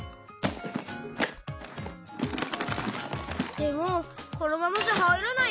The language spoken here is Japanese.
でもこのままじゃはいらないから。